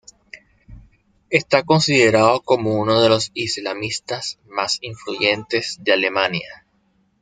Está considerado como uno de los islamistas más influyentes de Alemania.